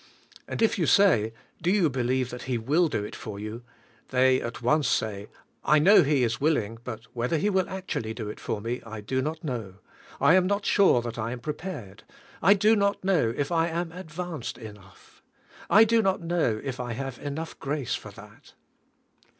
And if you say," Do you believe that He will do it for you?" the}^ at once say, "I know He is willing, but whether He will actually do it for me I do not know. I am not sure that I am 150 TRIUMPH OF FAITH prepared. I do not know if I am advanced enough. I do not know if I have enough grace for that."